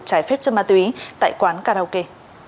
trái phép chân ma túy tại quán karaoke